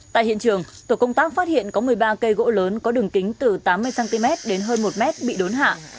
tại hiện trường tổ công tác phát hiện có một mươi ba cây gỗ lớn có đường kính từ tám mươi cm đến hơn một m bị đốn hạ